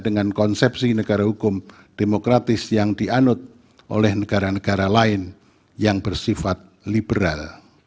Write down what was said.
dengan konsepsi negara hukum demokratis yang dianut oleh negara negara lain yang bersifat liberal